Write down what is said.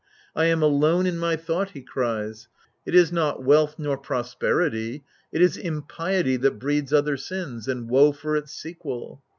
" I am alone in my thought" he cries ;" it is not wealth, nor prosperity — it is impiety that breeds other sins, and woe for its sequel."